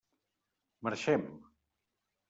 Marxem.